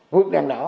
vượt đèn đó